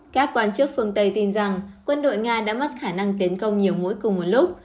các quan chức phương tây tin rằng quân đội nga đã mất khả năng tiến công nhiều mũi cùng một lúc